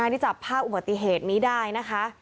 ที่จับภาพอุบัติเหตุนี้ได้นะคะ